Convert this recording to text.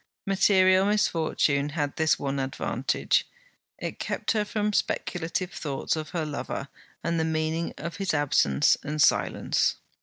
Material misfortune had this one advantage; it kept her from speculative thoughts of her lover, and the meaning of his absence and, silence.